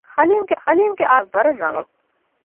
ޙަލީމުގެ ޢާއިލާ އަހަންނަށް ވަރަށް ރަނގަޅު